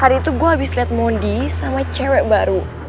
tadi itu gue abis liat mondi sama cewek baru